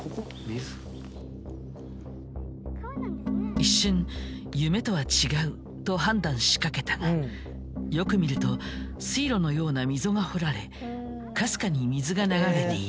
一瞬夢とは違うと判断しかけたがよく見ると水路のような溝が掘られかすかに水が流れている。